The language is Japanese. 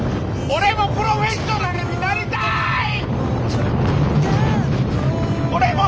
俺もプロフェッショナルになりたい！